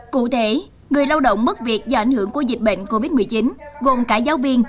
cụ thể người lao động mất việc do ảnh hưởng của dịch bệnh covid một mươi chín gồm cả giáo viên